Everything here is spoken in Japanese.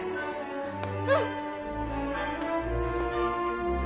うん！